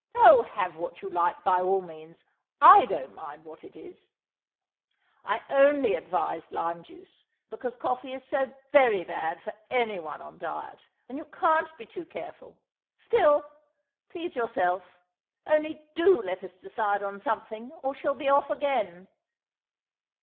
... Oh, have what you like by all means; I don't mind what it is; I only advised lime juice because coffee is so very bad for anyone on diet, and you can't be too careful; still, please yourself, only do let us decide on something, or she'll be off again.